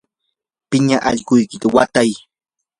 piña allquykita watay.